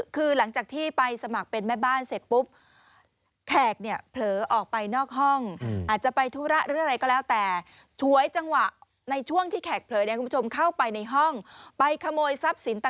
คือหลังจากที่ไปสมัครเป็นแม่บ้านเสร็จปุ๊บ